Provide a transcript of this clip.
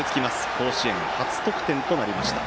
甲子園初得点となりました。